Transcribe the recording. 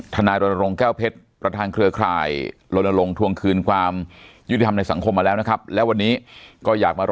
ธนารณรงค์แก้วเพชรประธานเครือข่าย